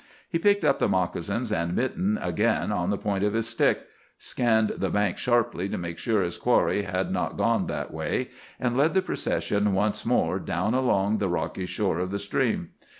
He picked up the moccasins and mitten again on the point of his stick, scanned the bank sharply to make sure his quarry had not gone that way, and led the procession once more down along the rocky shore of the stream.